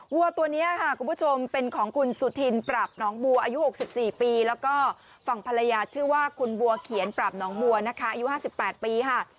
วัวตัวนี้ค่ะคุณผู้ชมเป็นของคุณสุธินปราบหนองบัวอายุ๖๔ปีแล้วก็ฝั่งภรรยาชื่อว่าคุณบัวเขียนปราบหนองบัวนะคะอายุ๕๘ปีค่ะ